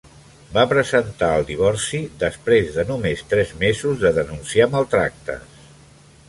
Va presentar el divorci després de només tres mesos de denunciar maltractes.